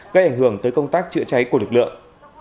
gây ảnh hưởng tới công tác chữa cháy của lực lượng